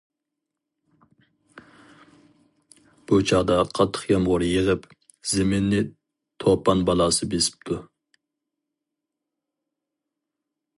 بۇ چاغدا قاتتىق يامغۇر يېغىپ، زېمىننى توپان بالاسى بېسىپتۇ.